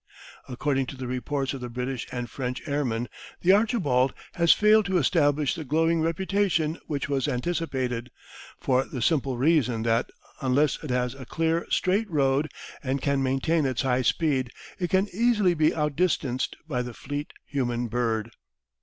According to the reports of the British and French airmen the "Archibald" has failed to establish the glowing reputation which was anticipated, for the simple reason that, unless it has a clear straight road and can maintain its high speed, it can easily be out distanced by the fleet human bird.